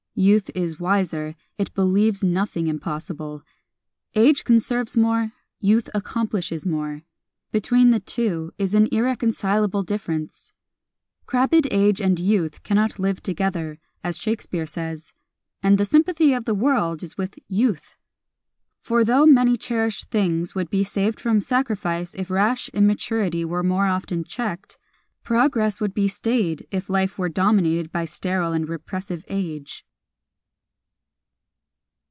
Youth is wiser; it believes nothing impossible. Age conserves more; youth accomplishes more. Between the two is an irreconcilable difference. "Crabbéd age and youth Cannot live together," as Shakespeare says. And the sympathy of the world is with youth. It is better so; for though many cherished things would be saved from sacrifice if rash immaturity were more often checked, progress would be stayed if life were dominated by sterile and repressive age.